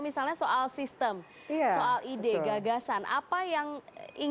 namun disitu sih yang sekarang